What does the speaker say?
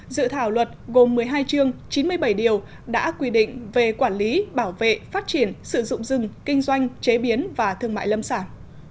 dự thảo luật gồm một mươi hai chương chín mươi bảy điều đã quy định về quản lý bảo vệ phát triển sử dụng rừng kinh doanh chế biến và thương mại lâm sản